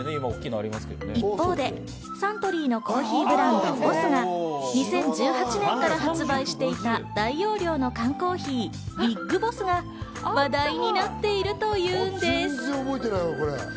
一方でサントリーのコーヒーブランド、ＢＯＳＳが２０１８年から発売していた大容量の缶コーヒーＢＩＧＢＯＳＳが話題になっているというんです。